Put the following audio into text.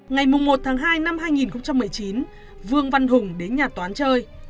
ngày một hai hai nghìn một mươi chín vương văn hùng đến nhà toán chơi